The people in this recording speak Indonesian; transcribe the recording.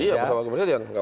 iya bersama wakil presiden